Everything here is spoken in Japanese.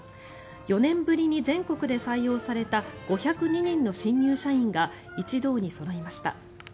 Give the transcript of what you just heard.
４年ぶりに、全国で採用された５０２人の新入社員が一堂にそろいました。